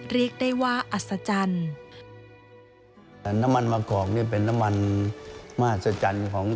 มีความสูงตั้งแต่ว่าอัศจรรย์